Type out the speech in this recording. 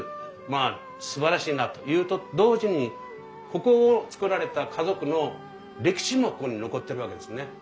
まあすばらしいなというと同時にここを造られた家族の歴史もここに残ってるわけですね。